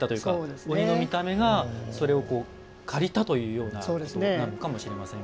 鬼の見た目がそれを借りたというようなことなのかもしれないですが。